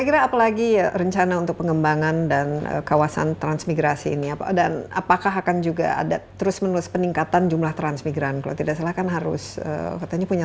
kan itu bagaimana ini mengelolanya